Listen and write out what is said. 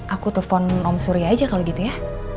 aku telfon om surya aja kalo gitu ya